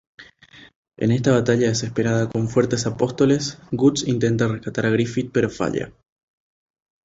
En esta batalla desesperada con fuertes Apóstoles, Guts intenta rescatar a Griffith pero falla.